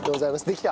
できた？